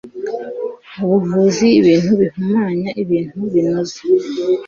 buvuzi ibintu bihumanya ibintu binoza